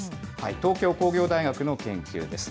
東京工業大学の研究です。